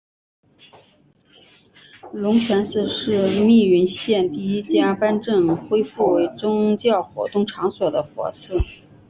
龙泉寺是密云县第一家颁证恢复为宗教活动场所的佛寺。